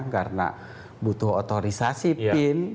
karena butuh otorisasi pin